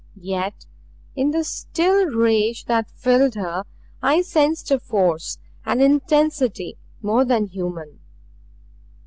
Yet in the still rage that filled her I sensed a force, an intensity, more than human.